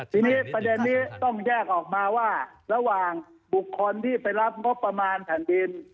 ทีนี้ประเด็นนี้ต้องแยกออกมาว่าระหว่างบุคคลที่ไปรับงบประมาณแผ่นดิน